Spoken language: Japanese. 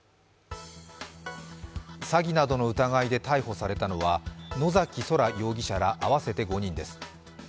詐欺などの疑いで逮捕されたのは野崎宇宙容疑者ら合わせて５人です。